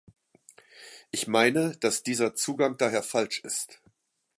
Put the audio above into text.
Ich meine, dass dieser Zugang daher falsch ist.